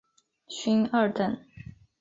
勋二等。